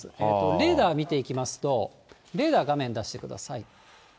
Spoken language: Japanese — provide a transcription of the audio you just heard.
レーダー見ていきますと、レーダー画面出してください。